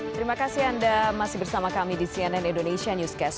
terima kasih anda masih bersama kami di cnn indonesia newscast